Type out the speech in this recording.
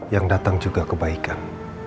yang datang juga kebaikan